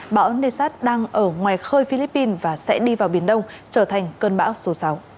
bão nessat đang ở ngoài khơi philippines và sẽ đi vào biển đông trở thành cơn bão số sáu